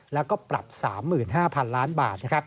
แล้วก็ปรับ๓๕๐๐๐ล้านบาท